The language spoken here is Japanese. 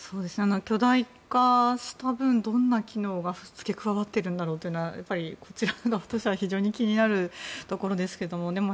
巨大化した分どんな機能が付け加わってるんだろうというのは非常に気になるところですけれども。